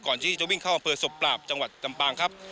ก่อนที่จะวิ่งเข้าอำเภอศพปราบจังหวัดลำปางครับ